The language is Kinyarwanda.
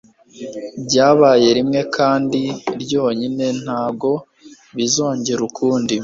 byabaye rimwe kandi ryonyine ntago bizongera ukundi